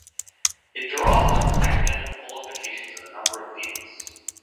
It draws on his academic qualifications in a number of fields.